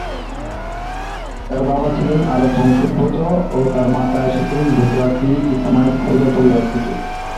তার বাবা ছিলেন আরব বংশোদ্ভূত ও তার মাতা এসেছিলেন গুজরাতি ইসমাইল খোজা পরিবার থেকে।